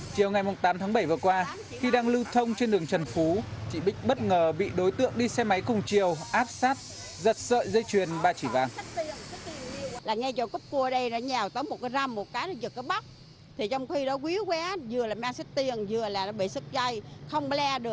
chiều ngày tám tháng bảy vừa qua khi đang lưu thông trên đường trần phú chị bích bất ngờ bị đối tượng đi xe máy cùng chiều áp sát giật sợi dây chuyền ba chỉ vàng